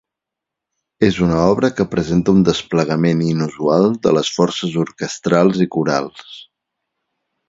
És una obra que presenta un desplegament inusual de les forces orquestrals i corals.